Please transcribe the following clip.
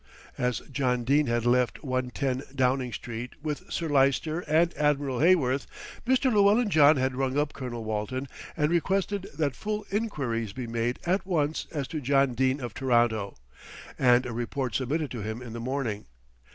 As John Dene had left 110, Downing Street, with Sir Lyster and Admiral Heyworth, Mr. Llewellyn John had rung up Colonel Walton and requested that full enquiries be made at once as to John Dene of Toronto, and a report submitted to him in the morning.